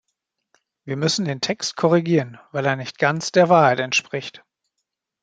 Wir müssen den Text korrigieren, weil er nicht ganz der Wahrheit entspricht.